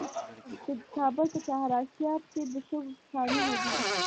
د کابل په چهار اسیاب کې د شګو کانونه دي.